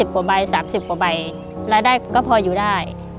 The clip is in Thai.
กว่าใบ๓๐กว่าใบรายได้ก็พออยู่ได้